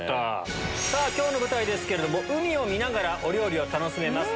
今日の舞台ですけれども海を見ながらお料理を楽しめます。